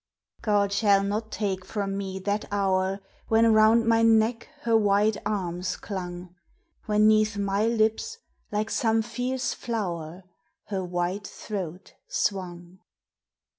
God shall not take from me that hour, When round my neck her white arms clung! When 'neath my lips, like some fierce flower, Her white throat swung!